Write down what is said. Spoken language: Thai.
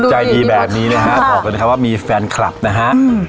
ใจดีแบบนี้เนี้ยฮะครับบอกกันนะครับว่ามีแฟนคลับนะฮะอืม